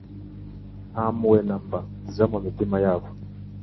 nta mpuhwe na mba ziba mu mitima yabo.